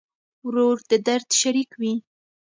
ورور د درد شریک وي.